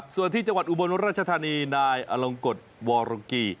ส่วนที่จังหวัดอุบลราชธานีนายอลงกฎวรกี